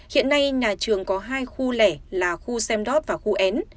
hiện nay nhà trường có hai khu lẻ là khu semdot và khu n